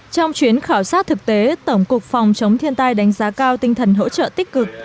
trong chuyến khảo sát thực tế tổng cục phòng chống thiên tai đánh giá cao tinh thần hỗ trợ tích cực